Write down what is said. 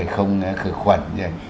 không khởi khuẩn